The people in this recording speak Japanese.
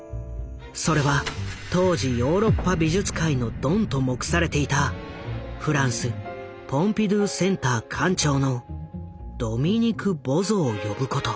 それは当時ヨーロッパ美術界のドンと目されていたフランスポンピドゥセンター館長のドミニク・ボゾを呼ぶこと。